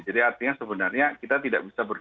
jadi artinya sebenarnya kita tidak bisa berkembang